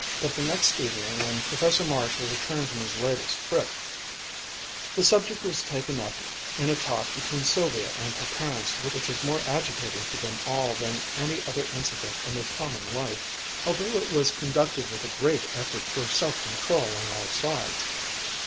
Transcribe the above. But the next evening, when Professor Marshall returned from his latest trip, the subject was taken up in a talk between Sylvia and her parents which was more agitating to them all than any other incident in their common life, although it was conducted with a great effort for self control on all sides.